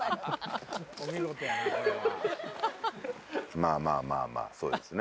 まぁまぁまぁまぁそうですね